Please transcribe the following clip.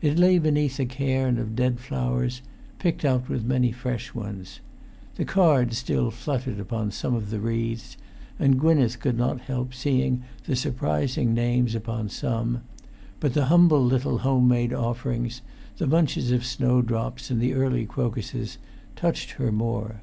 It lay beneath a cairn of dead flowers, picked out with many fresh ones. The cards still fluttered upon some of the wreaths, and Gwynneth could not help seeing the surprising names upon some; but the humble little home made offerings, the bunches of snow drops and the early crocuses, touched her more.